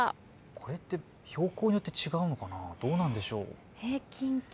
これは標高によって違うのでしょうか、どうなのでしょう。